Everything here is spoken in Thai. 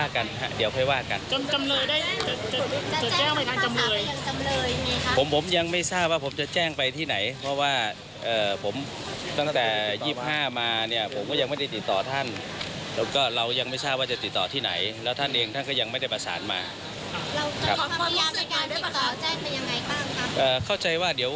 ครั้งตอนนี้ยังไม่ติดต่อมา